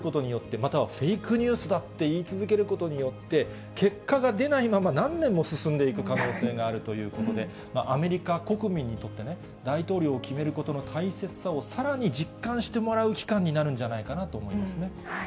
理していくかということだけでも、簡単に想像して、時間がかかるんだろうなと思いますから、それを長引かせることによって、またフェイクニュースだって言い続けることによって、結果が出ないまま何年も進んでいく可能性があるということで、このね、アメリカ国民にとってね、大統領を決めることの大切さをさらに実感してもらう期間になるんじゃないかなと思いますね。